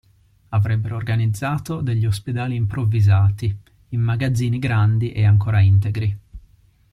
Avrebbero organizzato degli ospedali improvvisati, in magazzini grandi e ancora integri.